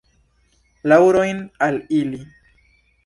Laŭrojn al ili!